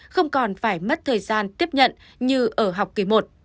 không còn phải mất thời gian tiếp nhận như ở học kỳ một